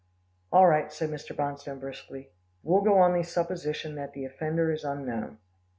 "All right," said Mr. Bonstone briskly. "We'll go on the supposition that the offender is unknown."